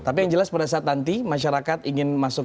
tapi yang jelas pada saat nanti masyarakat ingin masuk